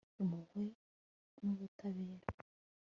impuhwe n'ubutabera